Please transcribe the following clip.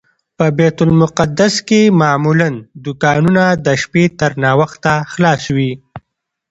په بیت المقدس کې معمولا دوکانونه د شپې تر ناوخته خلاص وي.